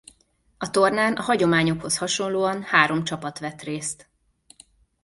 A tornán a hagyományokhoz hasonlóan három csapat vett részt.